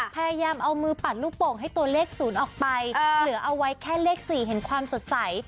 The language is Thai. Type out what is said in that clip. พยายามเอามือปัดลูกโป่งให้ตัวเลข๐ออกไปเหลือเอาไว้แค่เลข๔เห็นความสดใส